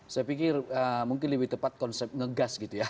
saya pikir mungkin lebih tepat konsep ngegas gitu ya